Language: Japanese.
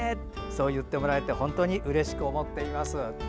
そう言ってもらえて本当にうれしく思っています。